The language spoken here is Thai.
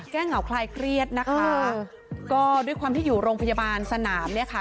เหงาคลายเครียดนะคะก็ด้วยความที่อยู่โรงพยาบาลสนามเนี่ยค่ะ